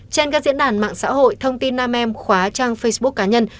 trên các diễn đàn mạng xã hội thông tin nam em khóa trang facebook cá nhân